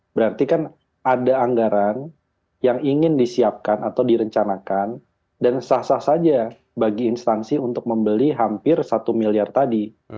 berarti kan ada anggaran yang ingin disiapkan atau direncanakan dan sah sah saja bagi instansi untuk membeli hampir satu miliar tadi